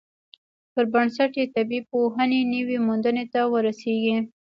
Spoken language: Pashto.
پر بنسټ یې طبیعي پوهنې نویو موندنو ته ورسیږي.